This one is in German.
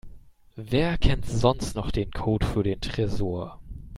Wer kennt sonst noch den Code für den Tresor?